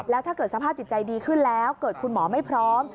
แล้วถ้าเกิดสภาพจิตใจดีขึ้นแล้วเกิดคุณหมอไม่พร้อม